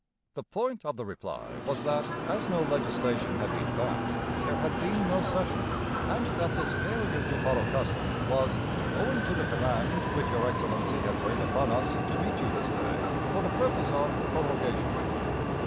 The point of the reply was that, as no legislation had been passed, there had been no session; and that this failure to follow custom was 'owing to the command which your Excellency has laid upon us to meet you this day for the purpose of prorogation.'